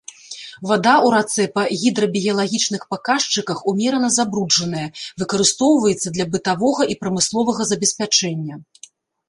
Вада ў рацэ па гідрабіялагічных паказчыках умерана забруджаная, выкарыстоўваецца для бытавога і прамысловага забеспячэння.